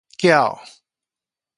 筊